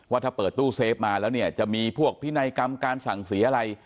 ว่าถ้าเปิดตู้เซฟมาแล้วเนี่ยจะมีพวกพินัยกรรมการสั่งเสียอะไร